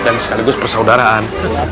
dan sekaligus persaudaraan